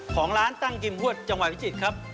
ของร้านตั้งกิมฮวดจังหวัดพิจิตรครับ